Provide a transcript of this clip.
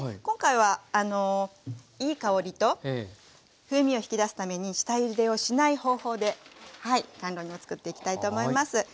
今回はいい香りと風味を引き出すために下ゆでをしない方法ではい甘露煮を作っていきたいと思います。